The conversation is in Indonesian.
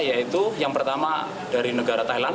yaitu yang pertama dari negara thailand